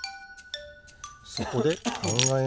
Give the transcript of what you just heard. そこでかんがえました。